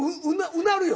うなるよ。